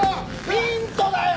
ミントだよ！